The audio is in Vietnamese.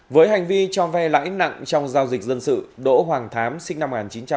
với hành vi cho ve lãnh nặng trong giao dịch dân sự đỗ hoàng thám sinh năm một nghìn chín trăm sáu mươi bảy